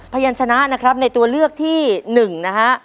พยานชนะนะครับในตัวเลือกที่๑นะฮะ